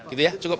gitu ya cukup